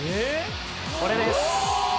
これです。